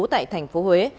tại tp huế